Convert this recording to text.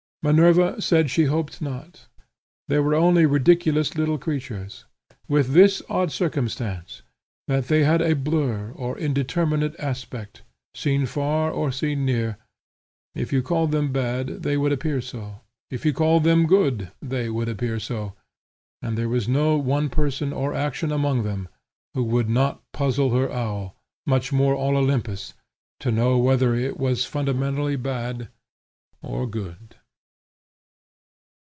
Minerva said she hoped not; they were only ridiculous little creatures, with this odd circumstance, that they had a blur, or indeterminate aspect, seen far or seen near; if you called them bad, they would appear so; if you called them good, they would appear so; and there was no one person or action among them, which would not puzzle her owl, much more all Olympus, to know whether it was fundamentally bad or good.'